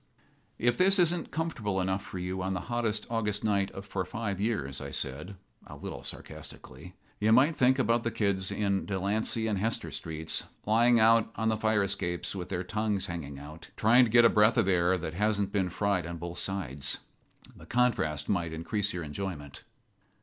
"If this isn't comfortable enough for you on the hottest August night for five years," I said, a little sarcastically, "you might think about the kids down in Delancey and Hester streets lying out on the fire escapes with their tongues hanging out, trying to get a breath of air that hasn't been fried on both sides. The contrast might increase your enjoyment."